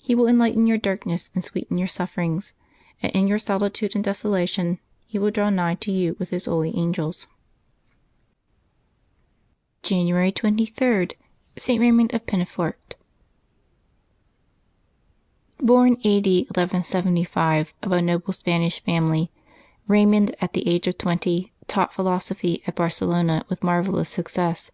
He will enlighten your darkness and sweeten your suffer ings, and in your solitude and desolation He will draw nigh to you with His holy angels. January 23.— ST. RAYMUND OF PENNAFORT. ©CRN A. D. 1175, of a noble Spanish family, Eaymund, at the age of twenty, taught philosophy at Barce lona with marvellous success.